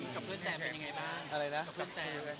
กับเพื่อนแสมเป็นยังไงบ้าง